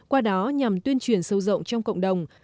qua đó nhằm tuyên truyền sâu rộng trong cộng đồng